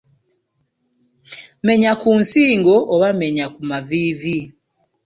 Menya ku nsingo oba menya ku maviivi.